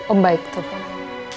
om baik tolong